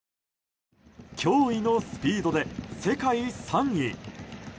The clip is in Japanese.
驚異のスピードで、世界３位。